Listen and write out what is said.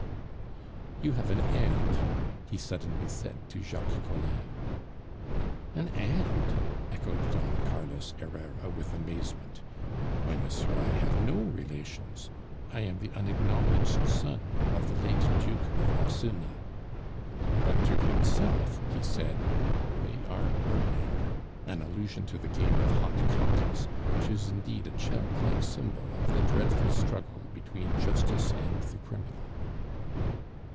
"You have an aunt," he suddenly said to Jacques Collin. "An aunt?" echoed Don Carlos Herrera with amazement. "Why, monsieur, I have no relations. I am the unacknowledged son of the late Duke of Ossuna." But to himself he said, "They are burning" an allusion to the game of hot cockles, which is indeed a childlike symbol of the dreadful struggle between justice and the criminal.